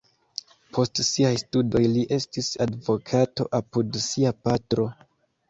Post siaj studoj li estis advokato apud sia patro.